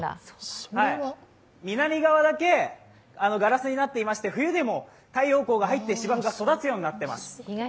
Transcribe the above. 南側だけガラスになっていまして、冬でも太陽光が入って芝生が育つようになっています。